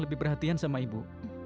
lebih perhatian sama ibu